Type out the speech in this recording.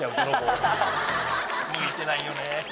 見えてないよね